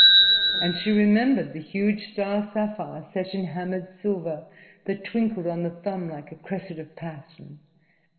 And she remembered the huge star sapphire set in hammered silver that twinkled on the thumb like a cresset of passion.